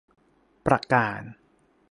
ประการ